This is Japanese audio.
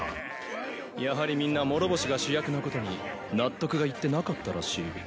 やはりみんな諸星が主役なことに納得がいってなかったらしい。